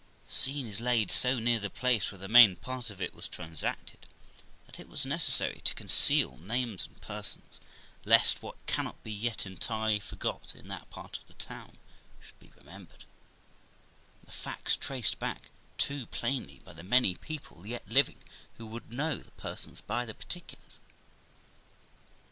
The scene is laid so near the place where the main part of it was transacted that it was necessary to conceal names and persons, lest what cannot be yet entirely forgot in that part of the town should be remembered, and the facts traced back too plainly by the many people yet living, who would know the persons by the particulars.